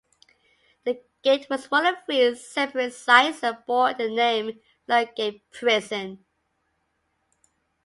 The gate was one of three separate sites that bore the name Ludgate Prison.